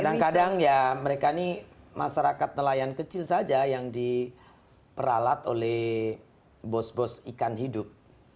kadang kadang ya mereka ini masyarakat nelayan kecil saja yang diperalat oleh bos bos ikan hidup